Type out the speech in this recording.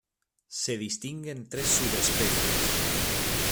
Se distinguen tres subespecies.